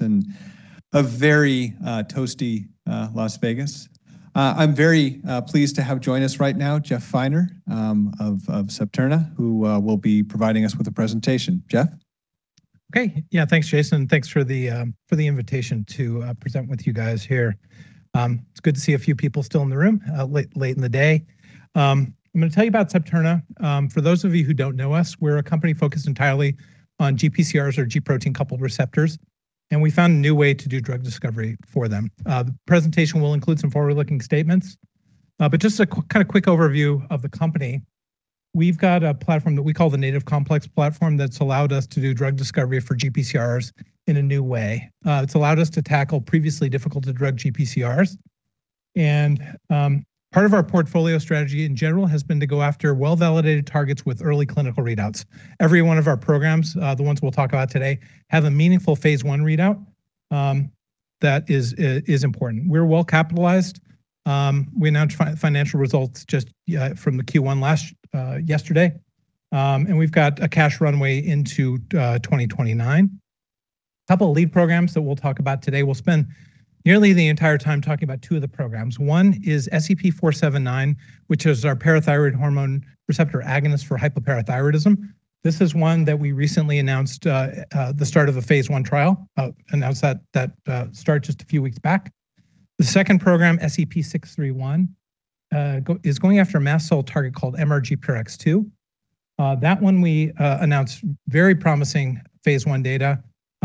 A very toasty Las Vegas. I'm very pleased to have join us right now Jeff Finer of Septerna, who will be providing us with a presentation. Jeff? Okay. Yeah, thanks, Jason. Thanks for the invitation to present with you guys here. It's good to see a few people still in the room late in the day. I'm gonna tell you about Septerna. For those of you who don't know us, we're a company focused entirely on GPCRs or G protein-coupled receptors. We found a new way to do drug discovery for them. The presentation will include some forward-looking statements. Just a kind of quick overview of the company, we've got a platform that we call the Native Complex Platform that's allowed us to do drug discovery for GPCRs in a new way. It's allowed us to tackle previously difficult to drug GPCRs. Part of our portfolio strategy in general has been to go after well-validated targets with early clinical readouts. Every one of our programs, the ones we'll talk about today, have a meaningful phase I readout that is important. We're well-capitalized. We announced financial results just from the Q1 last yesterday. We've got a cash runway into 2029. Couple lead programs that we'll talk about today. We'll spend nearly the entire time talking about two of the programs. One is SEP-479, which is our parathyroid hormone receptor agonist for hypoparathyroidism. This is one that we recently announced the start of a phase I trial, announced that start just a few weeks back. The second program, SEP-631, is going after a mast cell target called MRGPRX2. That one we announced very promising phase I data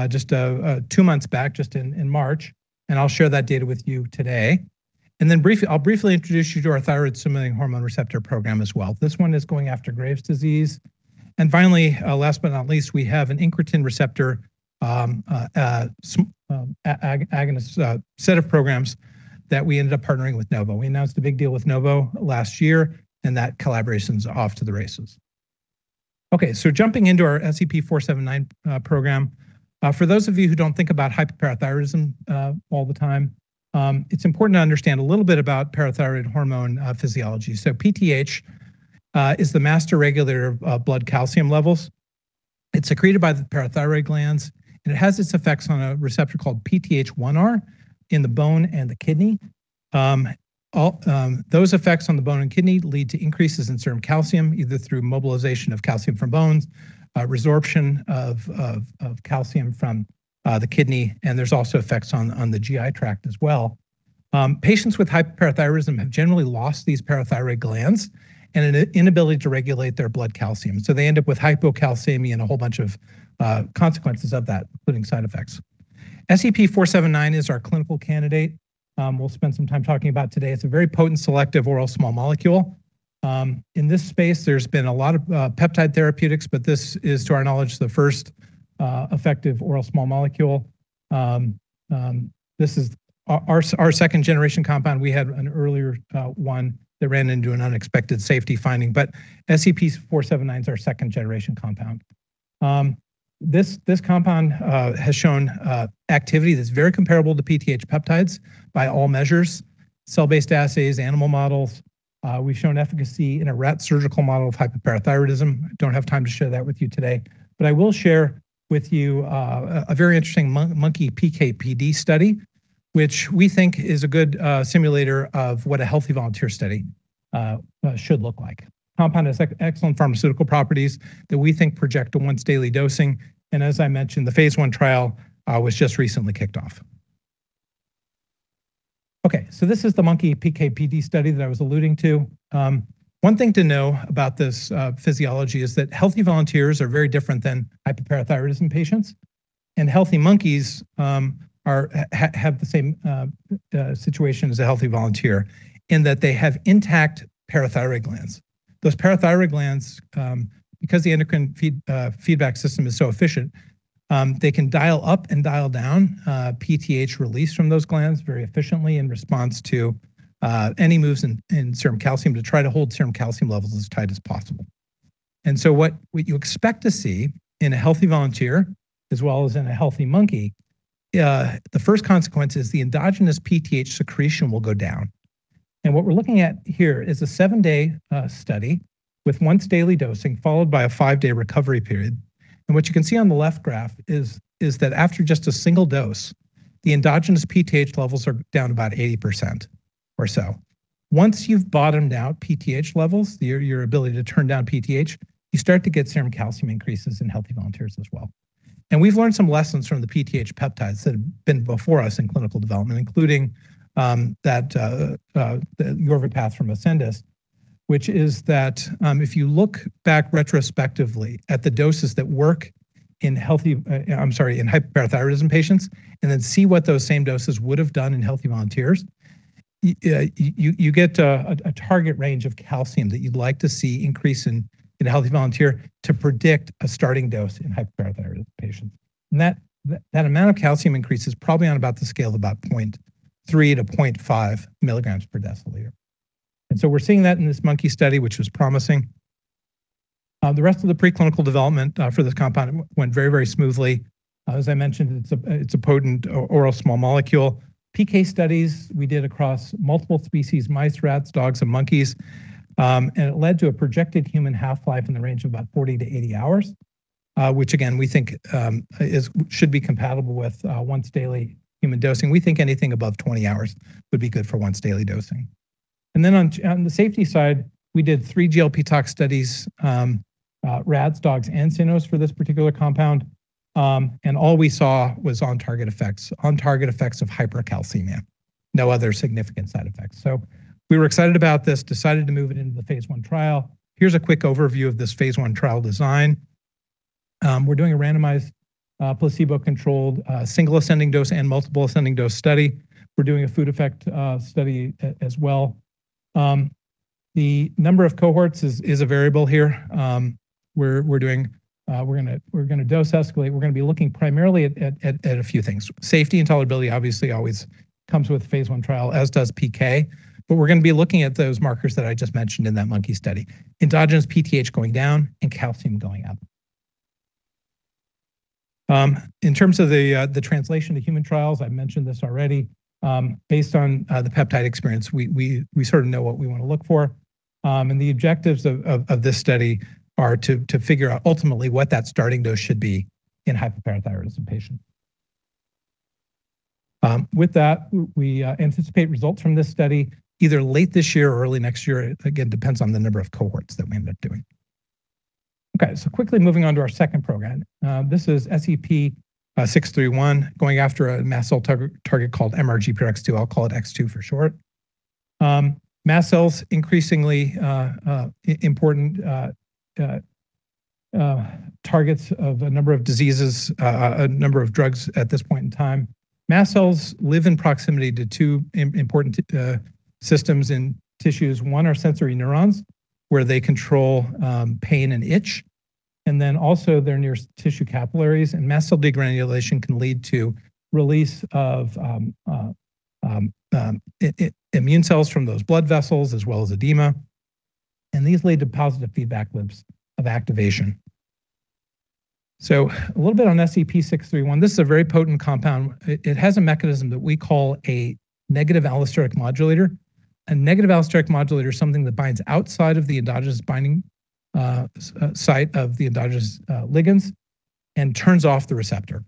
just two months back, just in March, and I'll share that data with you today. I'll briefly introduce you to our thyroid-stimulating hormone receptor program as well. This one is going after Graves' disease. Last but not least, we have an incretin receptor agonist set of programs that we ended up partnering with Novo. We announced the big deal with Novo last year. That collaboration's off to the races. Jumping into our SEP-479 program. For those of you who don't think about hypoparathyroidism all the time, it's important to understand a little bit about parathyroid hormone physiology. PTH is the master regulator of blood calcium levels. It's secreted by the parathyroid glands, and it has its effects on a receptor called PTH1R in the bone and the kidney. Those effects on the bone and kidney lead to increases in serum calcium, either through mobilization of calcium from bones, resorption of calcium from the kidney, and there's also effects on the GI tract as well. Patients with hypoparathyroidism have generally lost these parathyroid glands and an inability to regulate their blood calcium, they end up with hypocalcemia and a whole bunch of consequences of that, including side effects. SEP-479 is our clinical candidate, we'll spend some time talking about today. It's a very potent selective oral small molecule. In this space, there's been a lot of peptide therapeutics. This is, to our knowledge, the first effective oral small molecule. This is our second generation compound. We had an earlier one that ran into an unexpected safety finding. SEP-479's our second generation compound. This compound has shown activity that's very comparable to PTH peptides by all measures, cell-based assays, animal models. We've shown efficacy in a rat surgical model of hypoparathyroidism. Don't have time to share that with you today, but I will share with you a very interesting monkey PK/PD study, which we think is a good simulator of what a healthy volunteer study should look like. Compound has excellent pharmaceutical properties that we think project a once-daily dosing. As I mentioned, the phase I trial was just recently kicked off. This is the monkey PK/PD study that I was alluding to. One thing to know about this physiology is that healthy volunteers are very different than hypoparathyroidism patients. Healthy monkeys have the same situation as a healthy volunteer in that they have intact parathyroid glands. Those parathyroid glands, because the endocrine feedback system is so efficient, they can dial up and dial down PTH release from those glands very efficiently in response to any moves in serum calcium to try to hold serum calcium levels as tight as possible. What you expect to see in a healthy volunteer as well as in a healthy monkey, the first consequence is the endogenous PTH secretion will go down. What we're looking at here is a seven-day study with once-daily dosing followed by a five-day recovery period. What you can see on the left graph is that after just a single dose, the endogenous PTH levels are down about 80% or so. Once you've bottomed out PTH levels, your ability to turn down PTH, you start to get serum calcium increases in healthy volunteers as well. We've learned some lessons from the PTH peptides that have been before us in clinical development, including that the YORVIPATH from Ascendis, which is that if you look back retrospectively at the doses that work in healthy, I'm sorry, in hypoparathyroidism patients, and then see what those same doses would have done in healthy volunteers, you get a target range of calcium that you'd like to see increase in a healthy volunteer to predict a starting dose in hypoparathyroidism patients. That amount of calcium increase is probably on about the scale of about 0.3 mg per dL-0.5 mg per dL. We're seeing that in this monkey study, which was promising. The rest of the preclinical development for this compound went smoothly. As I mentioned, it's a potent oral small molecule. PK studies we did across multiple species: mice, rats, dogs, and monkeys. It led to a projected human half-life in the range of about 40 hours-80 hours, which again we think should be compatible with once-daily human dosing. We think anything above 20 hours would be good for once-daily dosing. On the safety side, we did three GLP tox studies: rats, dogs, and cynos for this particular compound. All we saw was on-target effects. On-target effects of hypercalcemia, no other significant side effects. We were excited about this, decided to move it into the phase I trial. Here's a quick overview of this phase I trial design. We're doing a randomized, placebo-controlled, single ascending dose and multiple ascending dose study. We're doing a food effect study as well. The number of cohorts is a variable here. We're gonna dose escalate. We're gonna be looking primarily at a few things. Safety and tolerability obviously always comes with phase I trial, as does PK. We're gonna be looking at those markers that I just mentioned in that monkey study, endogenous PTH going down and calcium going up. In terms of the translation to human trials, I mentioned this already. Based on the peptide experience, we sort of know what we want to look for. The objectives of this study are to figure out ultimately what that starting dose should be in hypoparathyroidism patient. With that, we anticipate results from this study either late this year or early next year. It, again, depends on the number of cohorts that we end up doing. Quickly moving on to our second program. This is SEP-631 going after a mast cell target called MRGPRX2. I'll call it X2 for short. Mast cells increasingly important targets of a number of diseases, a number of drugs at this point in time. Mast cells live in proximity to two important systems in tissues. One are sensory neurons, where they control pain and itch, and then also they're near tissue capillaries. Mast cell degranulation can lead to release of immune cells from those blood vessels as well as edema, and these lead to positive feedback loops of activation. A little bit on SEP-631. This is a very potent compound. It has a mechanism that we call a negative allosteric modulator. A negative allosteric modulator is something that binds outside of the endogenous binding site of the endogenous ligands and turns off the receptor.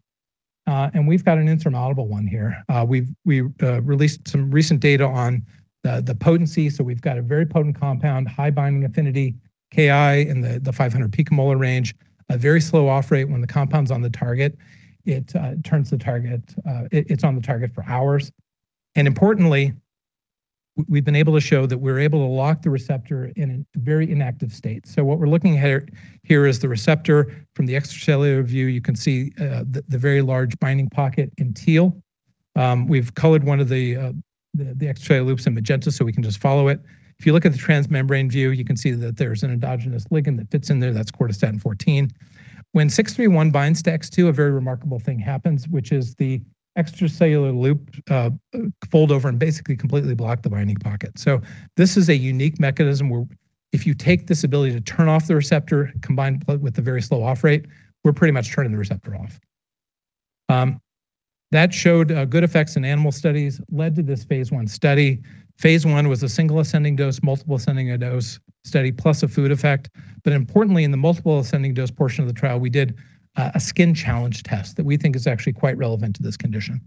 We've got an insurmountable one here. We've released some recent data on the potency. We've got a very potent compound, high binding affinity, Ki in the 500 pM range, a very slow off rate when the compound's on the target. It's on the target for hours. Importantly, we've been able to show that we're able to lock the receptor in a very inactive state. What we're looking at here is the receptor. From the extracellular view, you can see the very large binding pocket in teal. We've colored one of the X-ray loops in magenta so we can just follow it. If you look at the transmembrane view, you can see that there's an endogenous ligand that fits in there. That's cortistatin-14. When SEP-631 binds to MRGPRX2, a very remarkable thing happens, which is the extracellular loop, fold over and basically completely block the binding pocket. This is a unique mechanism where if you take this ability to turn off the receptor combined with the very slow off rate, we're pretty much turning the receptor off. That showed good effects in animal studies, led to this phase I study. Phase I was a single ascending dose, multiple ascending dose study, plus a food effect. Importantly, in the multiple ascending dose portion of the trial, we did a skin challenge test that we think is actually quite relevant to this condition.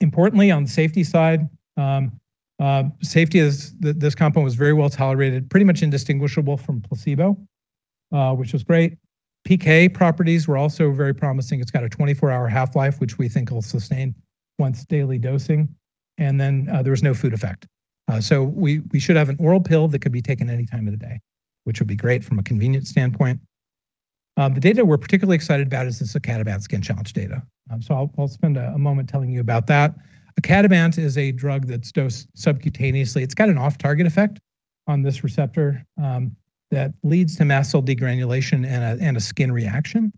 Importantly, on the safety side, this compound was very well-tolerated, pretty much indistinguishable from placebo, which was great. PK properties were also very promising. It's got a 24-hour half-life, which we think will sustain once daily dosing. There was no food effect. We should have an oral pill that could be taken any time of the day, which would be great from a convenience standpoint. The data we're particularly excited about is this icatibant skin challenge data. I'll spend a moment telling you about that. Icatibant is a drug that's dosed subcutaneously. It's got an off-target effect on this receptor that leads to mast cell degranulation and a skin reaction.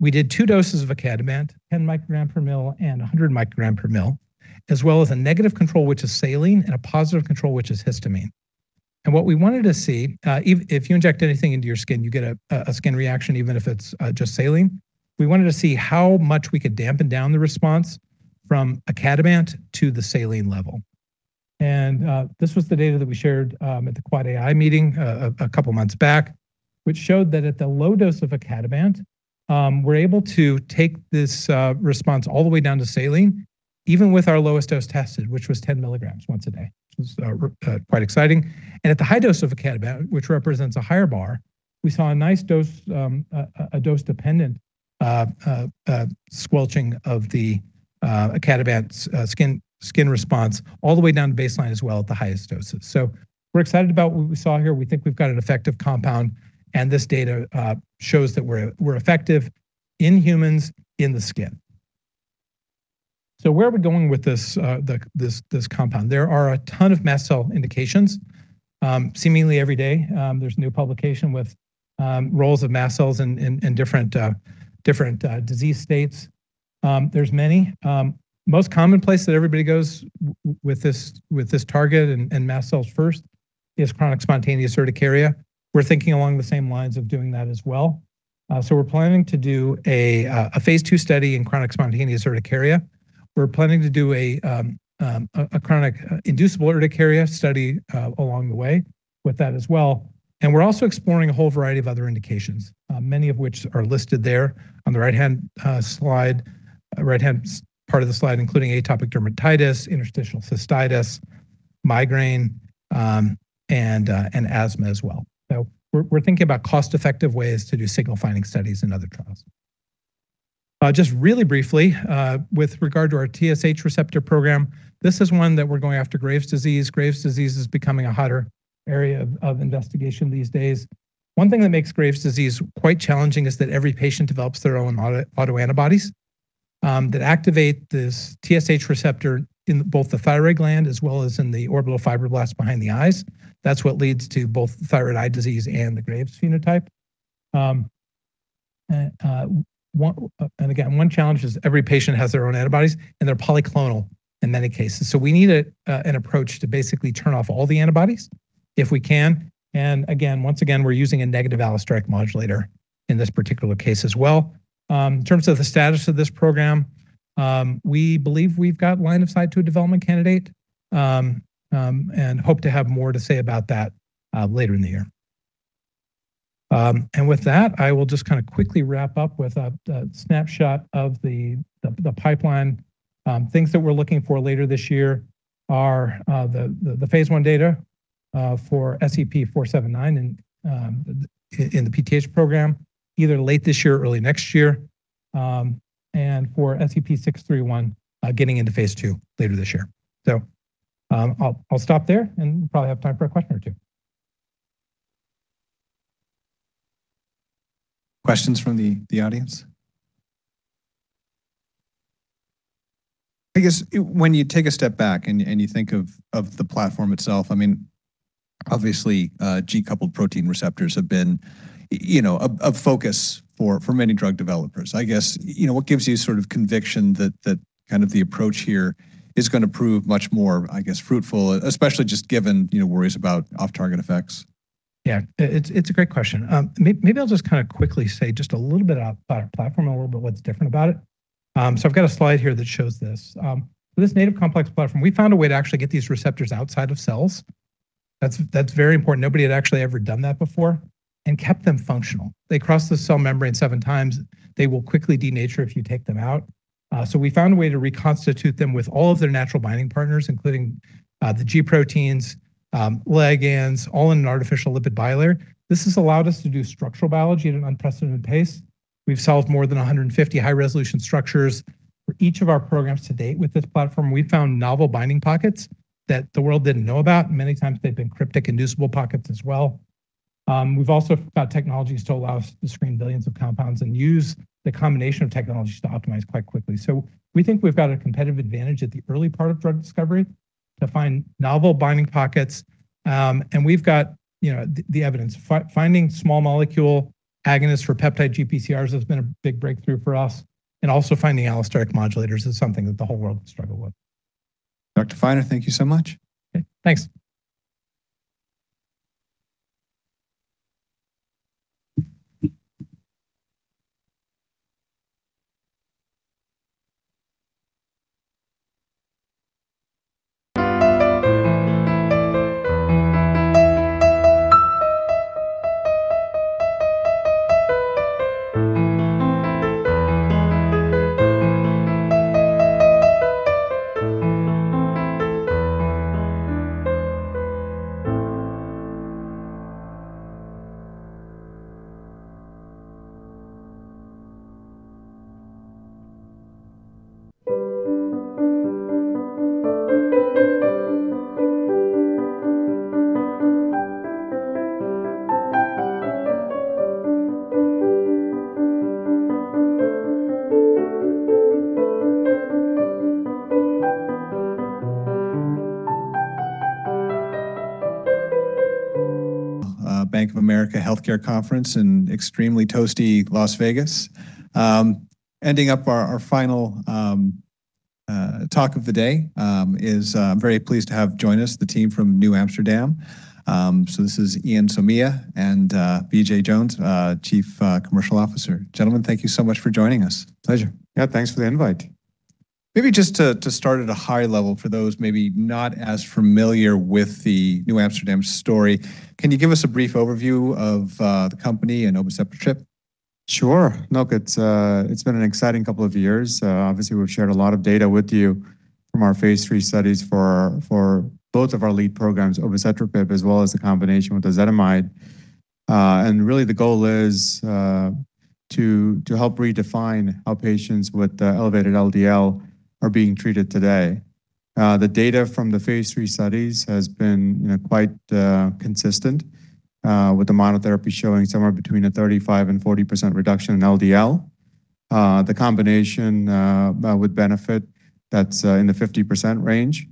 We did two doses of icatibant: 10 mcg per mL and 100 mcg per mL. As well as a negative control, which is saline, and a positive control, which is histamine. What we wanted to see, if you inject anything into your skin, you get a skin reaction even if it's just saline. We wanted to see how much we could dampen down the response from icatibant to the saline level. This was the data that we shared at the AAAAI meeting a couple months back, which showed that at the low dose of icatibant, we're able to take this response all the way down to saline, even with our lowest dose tested, which was 10 mg once a day, which is quite exciting. At the high dose of icatibant, which represents a higher bar, we saw a nice dose-dependent squelching of the icatibant's skin response all the way down to baseline as well at the highest doses. We're excited about what we saw here. We think we've got an effective compound, and this data shows that we're effective in humans in the skin. Where are we going with this compound? There are a ton of mast cell indications. Seemingly every day, there's a new publication with roles of mast cells in different disease states. There's many. Most commonplace that everybody goes with this target and mast cells first is chronic spontaneous urticaria. We're thinking along the same lines of doing that as well. We're planning to do a phase II study in chronic spontaneous urticaria. We're planning to do a chronic inducible urticaria study along the way with that as well. We're also exploring a whole variety of other indications. Many of which are listed there on the right-hand slide, right-hand part of the slide, including atopic dermatitis, interstitial cystitis, migraine, and asthma as well. We're thinking about cost-effective ways to do signal finding studies and other trials. Just really briefly, with regard to our TSH receptor program, this is one that we're going after Graves' disease. Graves' disease is becoming a hotter area of investigation these days. One thing that makes Graves' disease quite challenging is that every patient develops their own autoantibodies that activate this TSH receptor in both the thyroid gland as well as in the orbital fibroblasts behind the eyes. That's what leads to both thyroid eye disease and the Graves' phenotype. Again, one challenge is every patient has their own antibodies, and they're polyclonal in many cases. We need an approach to basically turn off all the antibodies if we can. Again, once again, we're using a negative allosteric modulator in this particular case as well. In terms of the status of this program, we believe we've got line of sight to a development candidate and hope to have more to say about that later in the year. With that, I will just kinda quickly wrap up with a snapshot of the pipeline. Things that we're looking for later this year are the phase I data for SEP-479 in the PTH program either late this year or early next year. For SEP-631 getting into phase II later this year. I'll stop there and probably have time for a question or two. Questions from the audience? I guess when you take a step back and you think of the platform itself, I mean, obviously, G-coupled protein receptors have been, you know, a focus for many drug developers. I guess, you know, what gives you sort of conviction that kind of the approach here is gonna prove much more, I guess, fruitful, especially just given, you know, worries about off-target effects? Yeah. It's a great question. Maybe I'll just kinda quickly say just a little bit about our platform and a little bit what's different about it. I've got a slide here that shows this. This Native Complex Platform, we found a way to actually get these receptors outside of cells. That's very important. Nobody had actually ever done that before and kept them functional. They cross the cell membrane seven times. They will quickly denature if you take them out. We found a way to reconstitute them with all of their natural binding partners, including the G proteins, ligands, all in an artificial lipid bilayer. This has allowed us to do structural biology at an unprecedented pace. We've solved more than 150 high-resolution structures for each of our programs to date with this platform. We've found novel binding pockets that the world didn't know about. Many times they've been cryptic inducible pockets as well. We've also got technologies to allow us to screen billions of compounds and use the combination of technologies to optimize quite quickly. We think we've got a competitive advantage at the early part of drug discovery to find novel binding pockets. We've got, you know, the evidence. Finding small molecule agonists for peptide GPCRs has been a big breakthrough for us. Also finding allosteric modulators is something that the whole world has struggled with. Dr. Finer, thank you so much. Okay. Thanks. Bank of America Healthcare Conference in extremely toasty Las Vegas. Ending up our final talk of the day, I'm very pleased to have join us the team from NewAmsterdam. This is Ian Somaiya and BJ Jones, Chief Commercial Officer. Gentlemen, thank you so much for joining us. Pleasure. Yeah, thanks for the invite. Maybe just to start at a high level for those maybe not as familiar with the NewAmsterdam story, can you give us a brief overview of the company and obicetrapib? Sure. Look, it's been an exciting couple of years. Obviously, we've shared a lot of data with you from our phase III studies for both of our lead programs, obicetrapib as well as the combination with ezetimibe. Really the goal is to help redefine how patients with elevated LDL are being treated today. The data from the phase III studies has been, you know, quite consistent with the monotherapy showing somewhere between a 35% and 40% reduction in LDL. The combination with benefit, that's in the 50% range.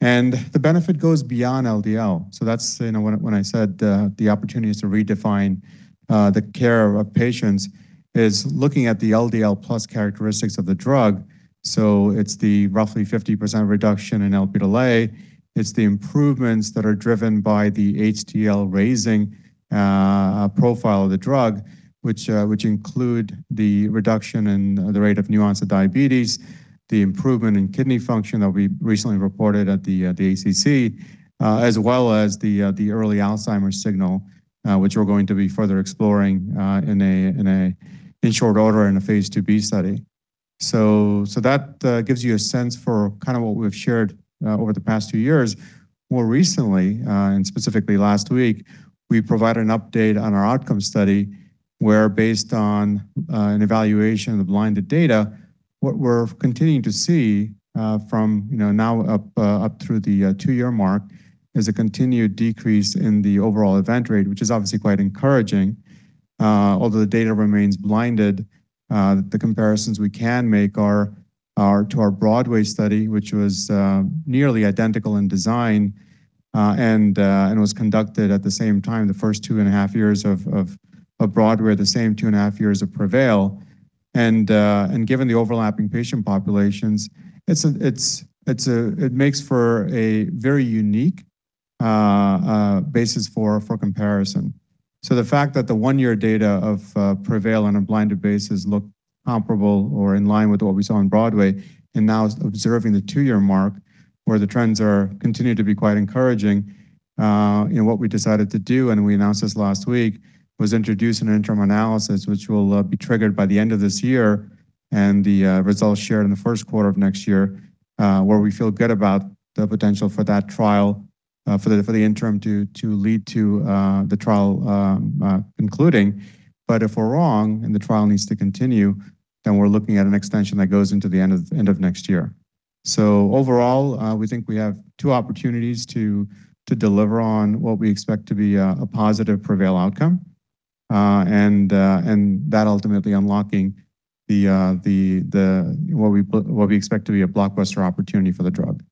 The benefit goes beyond LDL. That's, you know, when I, when I said, the opportunity is to redefine, the care of patients, is looking at the LDL plus characteristics of the drug. It's the roughly 50% reduction in Lp(a). It's the improvements that are driven by the HDL raising profile of the drug, which include the reduction in the rate of new onset of diabetes, the improvement in kidney function that we recently reported at the ACC, as well as the early Alzheimer's signal, which we're going to be further exploring in short order in a phase II-B study. That gives you a sense for kind of what we've shared over the past two years. More recently, and specifically last week, we provided an update on our outcome study where based on an evaluation of the blinded data, what we're continuing to see, from, you know, now up through the two-year mark is a continued decrease in the overall event rate, which is obviously quite encouraging. Although the data remains blinded, the comparisons we can make are to our BROADWAY study, which was nearly identical in design, and was conducted at the same time, the first 2.5 years of BROADWAY are the same 2.5 years of PREVAIL. Given the overlapping patient populations, it makes for a very unique basis for comparison. The fact that the one-year data of PREVAIL on a blinded basis look comparable or in line with what we saw on BROADWAY and now observing the two-year mark where the trends are continuing to be quite encouraging, you know, what we decided to do. We announced this last week, was introduce an interim analysis, which will be triggered by the end of this year. The results shared in the first quarter of next year, where we feel good about the potential for that trial, for the, for the interim to lead to the trial concluding. If we're wrong and the trial needs to continue, we're looking at an extension that goes into the end of next year. Overall, we think we have two opportunities to deliver on what we expect to be a positive PREVAIL outcome. That ultimately unlocking the what we expect to be a blockbuster opportunity for the drug.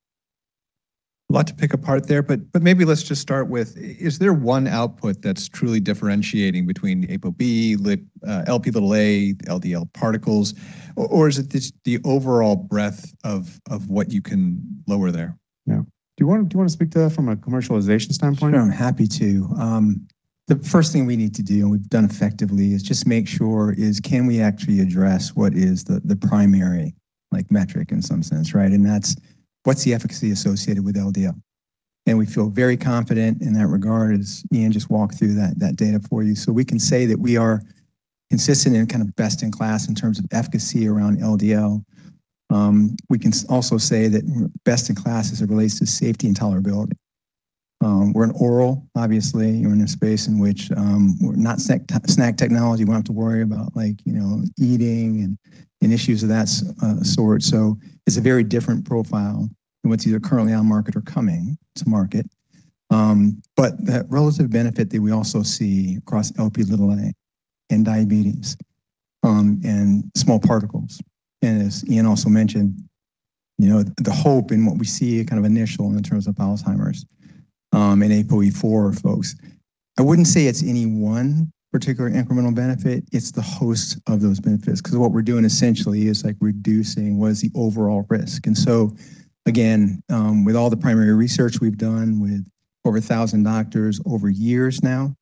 A lot to pick apart there, but maybe let's just start with is there one output that's truly differentiating between ApoB, Lp(a), LDL particles, or is it just the overall breadth of what you can lower there? Yeah. Do you want to speak to that from a commercialization standpoint? Sure, I'm happy to. The first thing we need to do, and we've done effectively, is just make sure can we actually address what is the primary, like, metric in some sense, right? That's what's the efficacy associated with LDL. We feel very confident in that regard, as Ian just walked through that data for you. We can say that we are consistent and kind of best in class in terms of efficacy around LDL. We can also say that best in class as it relates to safety and tolerability. We're an oral, obviously. We're in a space in which we're not SNAC technology. We don't have to worry about like, you know, eating and issues of that sort. It's a very different profile than what's either currently on market or coming to market. That relative benefit that we also see across Lp(a) and diabetes, and small particles, and as Ian also mentioned, you know, the hope in what we see kind of initial in terms of Alzheimer's, in APOE4 folks. I wouldn't say it's any one particular incremental benefit, it's the host of those benefits. Because what we're doing essentially is like reducing what is the overall risk. Again, with all the primary research we've done with over 1,000 doctors over years now,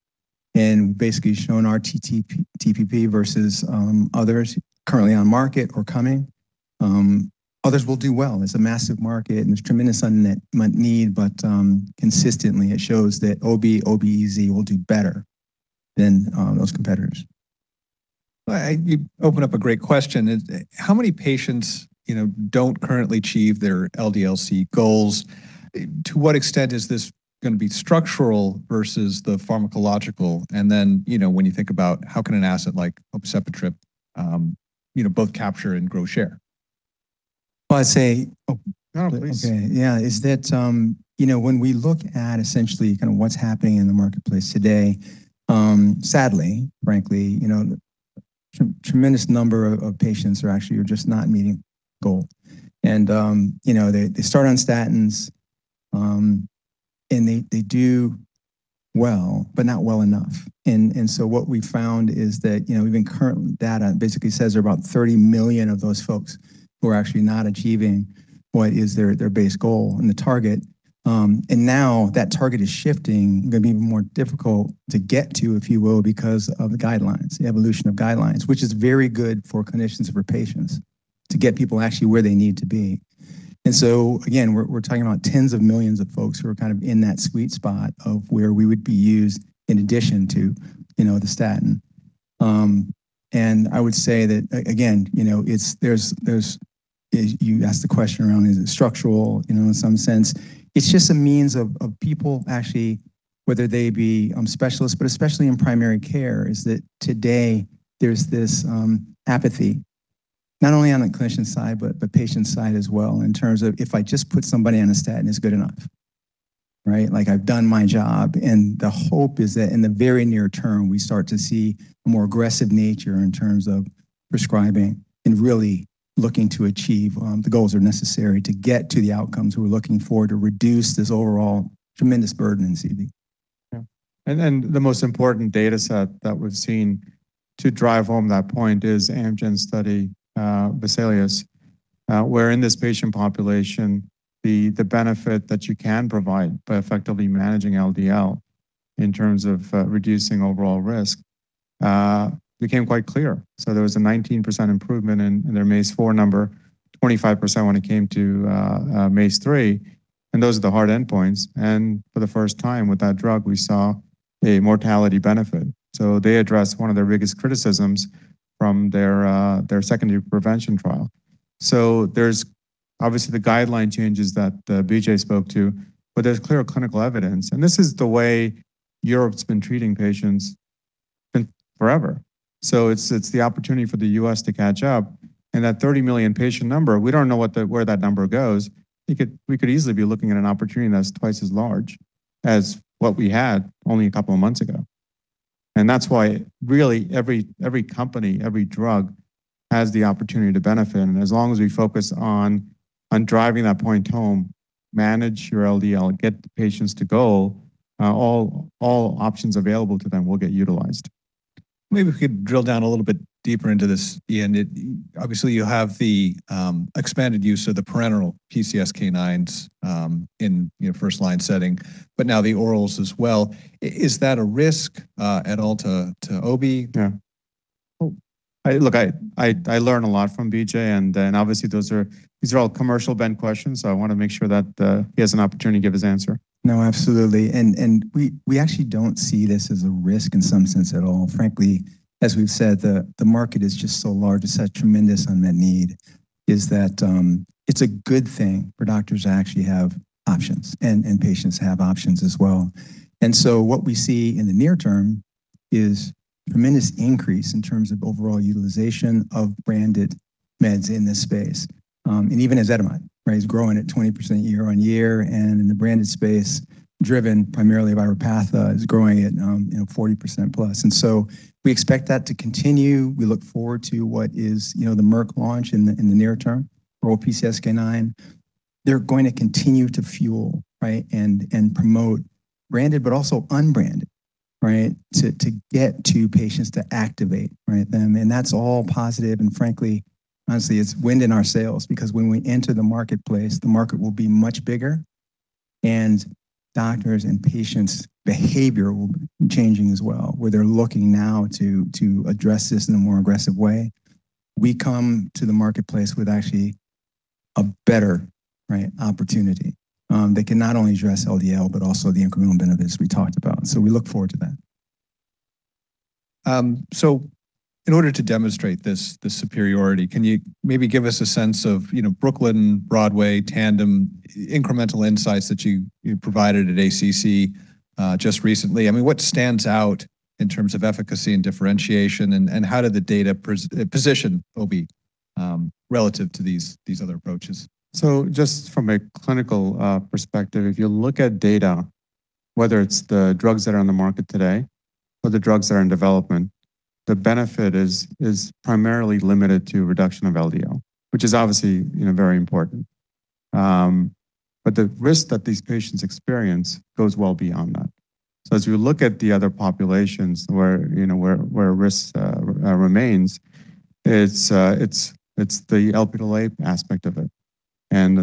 and basically shown our TPP versus others currently on market or coming. Others will do well. It's a massive market and there's tremendous unmet need, but consistently it shows that obi, obice will do better than those competitors. Well, you open up a great question. How many patients, you know, don't currently achieve their LDL-C goals? To what extent is this going to be structural versus the pharmacological? You know, when you think about how can an asset like obicetrapib, you know, both capture and grow share? Well, I'd say- No, please. Yeah, is that, you know, when we look at essentially kind of what's happening in the marketplace today, sadly, frankly, you know, tremendous number of patients are actually just not meeting goal. You know, they start on statins, and they do well, but not well enough. What we found is that, you know, even current data basically says there are about 30 million of those folks who are actually not achieving what is their base goal and the target. Now that target is shifting, going to be more difficult to get to, if you will, because of the guidelines, the evolution of guidelines, which is very good for clinicians and for patients to get people actually where they need to be. Again, we're talking about tens of millions of folks who are kind of in that sweet spot of where we would be used in addition to, you know, the statin. I would say that again, you know, it's there's You asked the question around is it structural, you know, in some sense. It's just a means of people actually, whether they be specialists, but especially in primary care, is that today there's this apathy. Not only on the clinician side, but the patient side as well, in terms of if I just put somebody on a statin is good enough, right? Like I've done my job. The hope is that in the very near term, we start to see a more aggressive nature in terms of prescribing and really looking to achieve the goals that are necessary to get to the outcomes we're looking for to reduce this overall tremendous burden in CV. The most important data set that we've seen to drive home that point is Amgen's study, VESALIUS, where in this patient population, the benefit that you can provide by effectively managing LDL in terms of reducing overall risk became quite clear. There was a 19% improvement in their MACE-4 number, 25% when it came to MACE-3, and those are the hard endpoints. For the first time with that drug, we saw a mortality benefit. They addressed one of their biggest criticisms from their secondary prevention trial. There's obviously the guideline changes that BJ spoke to. There's clear clinical evidence. This is the way Europe's been treating patients for forever. It's the opportunity for the U.S. to catch up, and that 30 million patient number, we don't know what the where that number goes. We could easily be looking at an opportunity that's twice as large as what we had only a couple of months ago. That's why really every company, every drug has the opportunity to benefit. As long as we focus on driving that point home, manage your LDL, get the patients to goal. All options available to them will get utilized. Maybe we could drill down a little bit deeper into this, Ian. Obviously, you have the expanded use of the parenteral PCSK9s in, you know, first-line setting, but now the orals as well. Is that a risk at all to obi? Yeah. Well. Look, I learn a lot from BJ, and then obviously these are all commercial-bent questions, so I wanna make sure that he has an opportunity to give his answer. No, absolutely. We actually don't see this as a risk in some sense at all. Frankly, as we've said, the market is just so large. It's such tremendous unmet need is that it's a good thing for doctors to actually have options and patients to have options as well. What we see in the near term is tremendous increase in terms of overall utilization of branded meds in this space. Even as ezetimibe, right is growing at 20% year-over-year, and in the branded space, driven primarily by Repatha, is growing at, you know, 40%+. We expect that to continue. We look forward to what is, you know, the Merck launch in the near term for PCSK9. They're going to continue to fuel, right, and promote branded, but also unbranded, right, to get to patients to activate, right, them. That's all positive. Frankly, honestly, it's wind in our sails because when we enter the marketplace, the market will be much bigger. Doctors' and patients' behavior will be changing as well, where they're looking now to address this in a more aggressive way. We come to the marketplace with actually a better, right, opportunity that can not only address LDL, but also the incremental benefits we talked about. We look forward to that. In order to demonstrate this superiority, can you maybe give us a sense of BROOKLYN, BROADWAY, TANDEM, incremental insights that you provided at ACC, just recently? What stands out in terms of efficacy and differentiation, and how did the data position obi relative to these other approaches? Just from a clinical perspective. If you look at data, whether it's the drugs that are on the market today or the drugs that are in development, the benefit is primarily limited to reduction of LDL, which is obviously, you know, very important. The risk that these patients experience goes well beyond that. As we look at the other populations where, you know, risk remains, it's the Lp(a) aspect of it.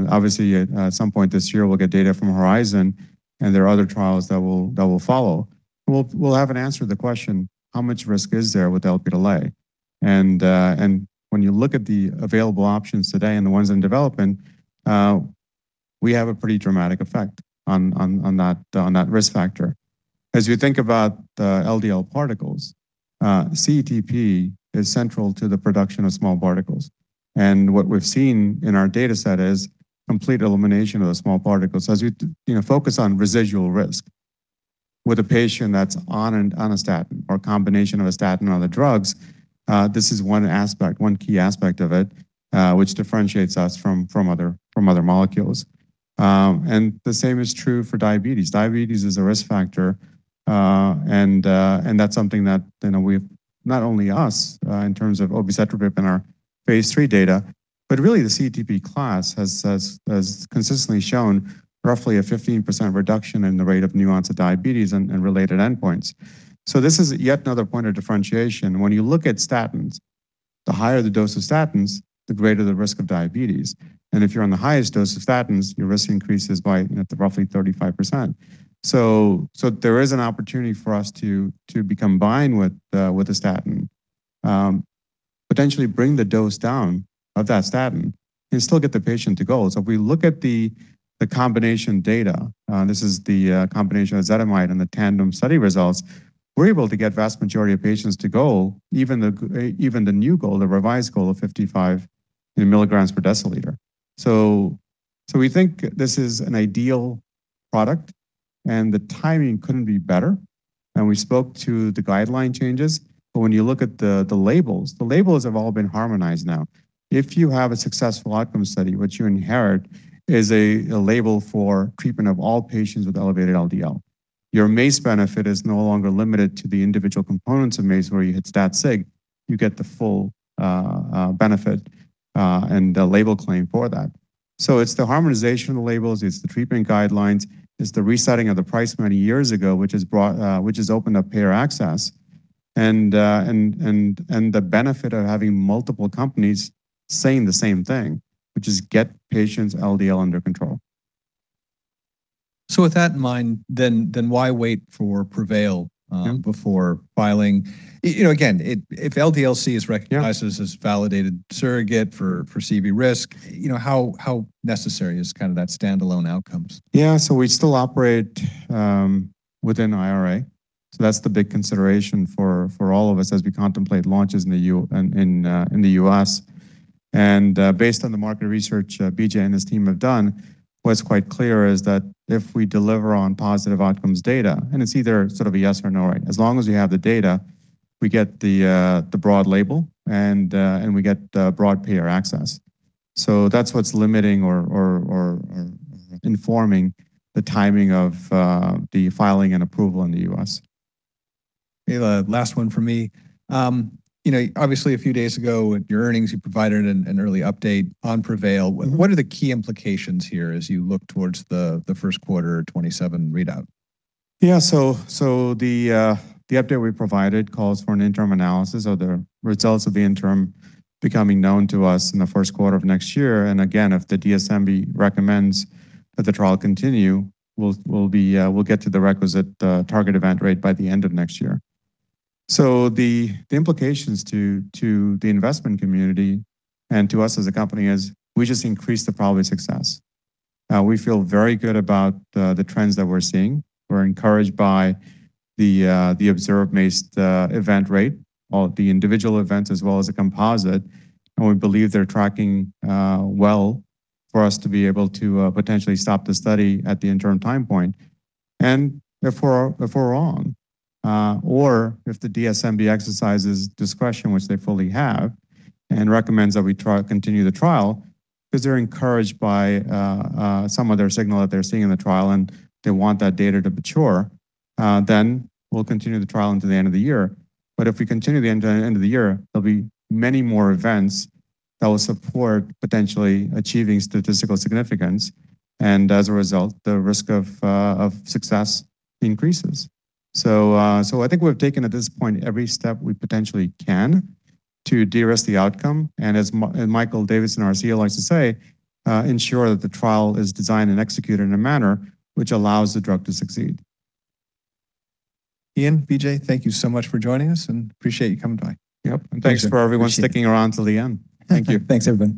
Obviously, at some point this year, we'll get data from HORIZON, and there are other trials that will follow. We'll have an answer to the question, how much risk is there with Lp(a)? When you look at the available options today and the ones in development, we have a pretty dramatic effect on that risk factor. As you think about the LDL particles, CETP is central to the production of small particles. What we've seen in our data set is complete elimination of the small particles. As you know, focus on residual risk with a patient that's on a statin or a combination of a statin or other drugs, this is one aspect, one key aspect of it, which differentiates us from other molecules. The same is true for diabetes. Diabetes is a risk factor, and that's something that we've Not only us, in terms of obicetrapib in our phase III data, but really the CETP class has consistently shown roughly a 15% reduction in the rate of new onset of diabetes and related endpoints. This is yet another point of differentiation. When you look at statins, the higher the dose of statins, the greater the risk of diabetes. If you're on the highest dose of statins, your risk increases by roughly 35%. There is an opportunity for us to combine with a statin, potentially bring the dose down of that statin and still get the patient to goal. If we look at the combination data, this is the combination of ezetimibe and the TANDEM study results, we're able to get vast majority of patients to goal, even the new goal, the revised goal of 55 mg per dL. We think this is an ideal product, and the timing couldn't be better. We spoke to the guideline changes. But when you look at the labels, the labels have all been harmonized now. If you have a successful outcome study, what you inherit is a label for treatment of all patients with elevated LDL. Your MACE benefit is no longer limited to the individual components of MACE where you hit stat sig, you get the full benefit and the label claim for that. It's the harmonization of the labels, it's the treatment guidelines, it's the resetting of the price many years ago, which has opened up payer access and the benefit of having multiple companies saying the same thing, which is get patients' LDL under control. With that in mind, then why wait for PREVAIL? Yeah. Before filing? You know, again, if LDL-C is recognized- Yeah.... as validated surrogate for CV risk, you know, how necessary is kind of that standalone outcomes? Yeah. We still operate within IRA. That's the big consideration for all of us as we contemplate launches in the U.S. Based on the market research BJ and his team have done, what's quite clear is that if we deliver on positive outcomes data, and it's either sort of a yes or no, right? As long as we have the data, we get the broad label and we get broad payer access. That's what's limiting or informing the timing of the filing and approval in the U.S. Okay. The last one from me. You know, obviously a few days ago with your earnings, you provided an early update on PREVAIL. What are the key implications here as you look towards the first quarter 2027 readout? Yeah. The update we provided calls for an interim analysis of the results of the interim becoming known to us in the first quarter of next year. Again, if the DSMB recommends that the trial continue, we'll be, we'll get to the requisite target event rate by the end of next year. The implications to the investment community and to us as a company is we just increased the probability of success. We feel very good about the trends that we're seeing. We're encouraged by the observed MACE event rate or the individual events as well as the composite. We believe they're tracking well for us to be able to potentially stop the study at the interim time point, and if we're wrong. If the DSMB exercises discretion, which they fully have, and recommends that we continue the trial because they're encouraged by some other signal that they're seeing in the trial and they want that data to mature, then we'll continue the trial into the end of the year. If we continue the end of the year, there'll be many more events that will support potentially achieving statistical significance, and as a result, the risk of success increases. I think we've taken at this point every step we potentially can to de-risk the outcome, and as Michael Davidson, our CEO likes to say, ensure that the trial is designed and executed in a manner which allows the drug to succeed. Ian, BJ, thank you so much for joining us and appreciate you coming by. Yep. Thanks for everyone sticking around till the end. Thank you. Thanks, everyone.